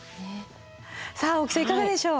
さあ大木さんいかがでしょう。